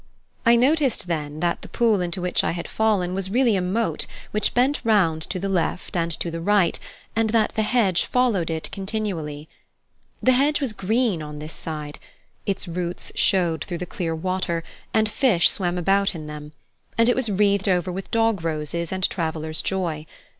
I noticed then that the pool into which I had fallen was really a moat which bent round to the left and to the right, and that the hedge followed it continually. The hedge was green on this side its roots showed through the clear water, and fish swam about in them and it was wreathed over with dog roses and Traveller's Joy.